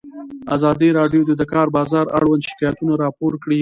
ازادي راډیو د د کار بازار اړوند شکایتونه راپور کړي.